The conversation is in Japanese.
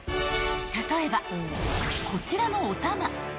［例えばこちらのお玉］